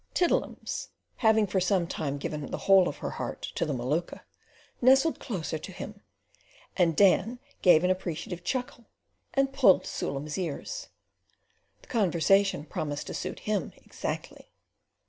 Tiddle'ums having for some time given the whole of her heart to the Maluka, nestled closer to him and Dan gave an appreciative chuckle, and pulled Sool'em's ears. The conversation promised to suit him exactly.